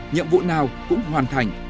nhiệm vụ nào cũng hoàn thành